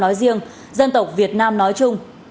nói riêng dân tộc việt nam nói chung